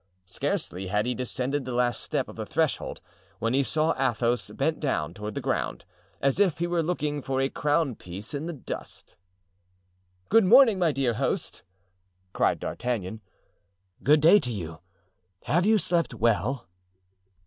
Scarcely had he descended the last step of the threshold when he saw Athos bent down toward the ground, as if he were looking for a crown piece in the dust. "Good morning, my dear host," cried D'Artagnan. "Good day to you; have you slept well?"